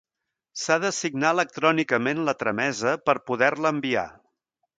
S'ha de signar electrònicament la tramesa per poder-la enviar.